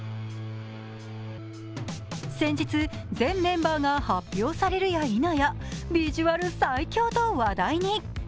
先日、全メンバーが発表されるやいなやビジュアル最強と話題に。